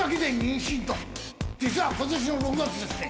実はことしの６月ですね